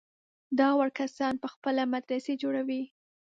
دا وړ کسان په خپله مدرسې جوړوي.